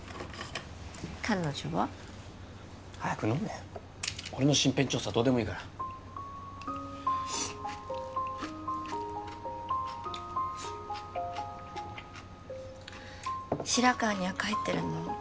彼女は？早く飲めよ俺の身辺調査どうでもいいから白川には帰ってるの？